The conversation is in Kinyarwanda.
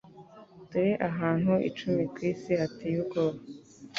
Dore ahantu icumi ku isi hateye ubwoba